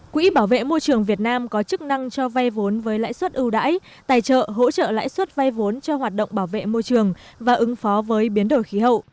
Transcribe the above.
quỹ bảo vệ môi trường việt nam có chức năng cho vay vốn với lãi suất ưu đãi tài trợ hỗ trợ lãi suất vay vốn cho hoạt động bảo vệ môi trường và ứng phó với biến đổi khí hậu